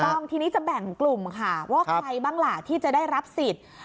ถูกต้องทีนี้จะแบ่งกลุ่มค่ะว่าใครบ้างล่ะที่จะได้รับสิทธิ์